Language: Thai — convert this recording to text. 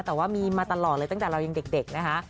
แต่ว่ามีมาตลอดเลยตั้งแต่เรายังเด็กนะคะ